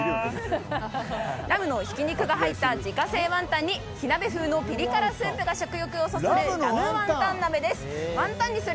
ラムのひき肉が入った自家製ワンタンに火鍋風のピリ辛スープが食欲をそそるラムワンタン鍋です。